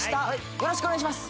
よろしくお願いします